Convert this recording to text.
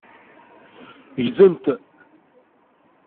Ggzen-t.